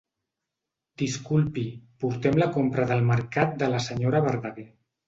Disculpi, portem la compra del mercat de la senyora Verdaguer.